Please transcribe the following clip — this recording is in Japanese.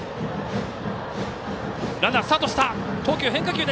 ランナー、スタート。